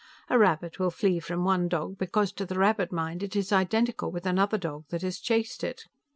A rabbit will flee from one dog because to the rabbit mind it is identical with another dog that has chased it.